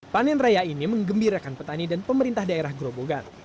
panen raya ini menggembirakan petani dan pemerintah daerah grobogan